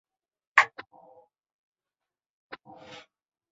মানুষ সম্বন্ধে জ্ঞান শ্রেষ্ঠ জ্ঞান, এবং মানুষকে জানিয়াই আমরা ঈশ্বরকে জানিতে পারি।